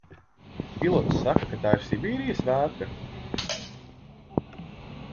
Pilots saka, ka tā ir Sibīrijas vētra?